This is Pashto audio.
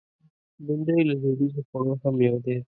بېنډۍ له دودیزو خوړو یو دی